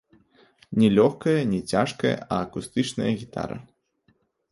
Не лёгкая, не цяжкая, а акустычная гітара.